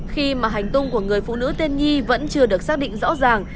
khi mà hành tung của người phụ nữ tiên nhi vẫn chưa được xác định rõ ràng